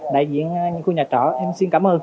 đại diện khu nhà trọ em xin cảm ơn